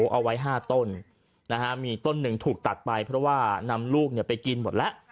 เอาไว้๕ต้นมีต้นหนึ่งถูกตัดไปเพราะว่านำลูกไปกินหมดแล้ว